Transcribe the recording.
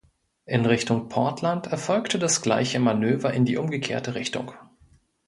In Richtung Portland erfolgte das gleiche Manöver in die umgekehrte Richtung.